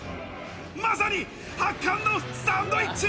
まさに発汗のサンドイッチ！